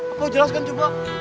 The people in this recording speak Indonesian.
apa jelaskan coba